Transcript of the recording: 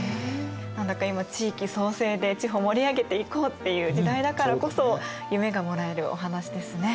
何だか今地域創生で地方盛り上げていこうっていう時代だからこそ夢がもらえるお話ですね。